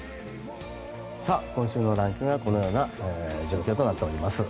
今週のランキングはこのような状況となっております。